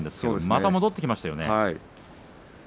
また戻ってきましたね。